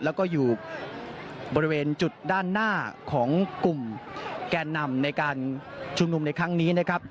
แล้วก็อยู่บริเวณจุดด้านหน้าของกลุ่มแก่นำในการชุมนุมในครั้งนี้นะครับ